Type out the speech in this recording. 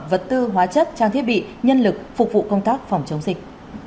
vật tư hóa chất trang thiết bị nhân lực phục vụ công tác phòng chống dịch